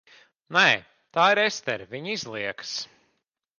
Nē. Tā ir Estere, viņa izliekas.